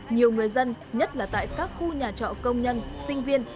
nhiều người dân nhất là tại các khu nhà trọ công nhân sinh viên